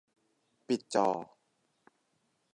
ปิดจอ